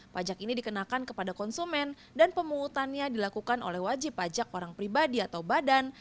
pajak ini dikenakan kepada konsumen dan pemungutannya dilakukan oleh wajib pajak orang pribadi atau badan